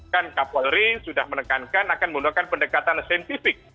kan kapolri sudah menekankan akan menggunakan pendekatan saintifik